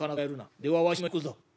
ではわしもいくぞ。